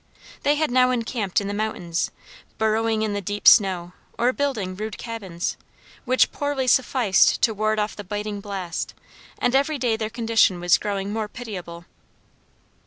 They had now encamped in the mountains, burrowing in the deep snow, or building rude cabins, which poorly sufficed to ward off the biting blast, and every day their condition was growing more pitiable.